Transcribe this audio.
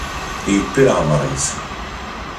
Yewwi leɛmer-is.